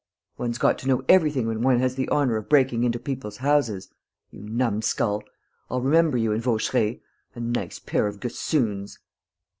"One's got to know everything when one has the honour of breaking into people's houses. You numskull! I'll remember you and Vaucheray ... a nice pair of gossoons!..."